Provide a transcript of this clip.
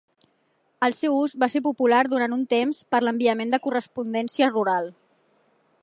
El seu ús va ser popular durant un temps per a l'enviament de correspondència rural.